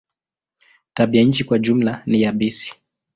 Tabianchi kwa jumla ni yabisi.